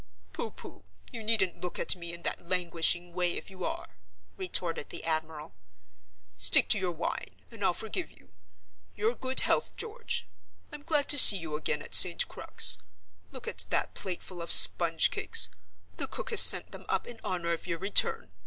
"Pooh! pooh! you needn't look at me in that languishing way if you are," retorted the admiral. "Stick to your wine, and I'll forgive you. Your good health, George. I'm glad to see you again at St. Crux. Look at that plateful of sponge cakes! The cook has sent them up in honor of your return.